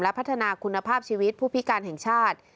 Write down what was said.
พัฒนาคุณภาพชีวิตผู้พิการแห่งชาติ